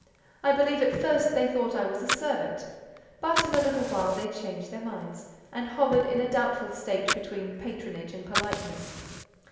I believe at first they thought I was a servant; but in a little while they changed their minds, and hovered in a doubtful state between patronage and politeness.